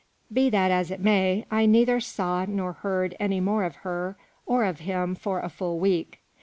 Be that as it may, I neither saw nor heard any more of her or of him for a full week.